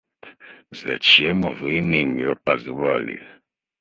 — Зачем вы меня позвали?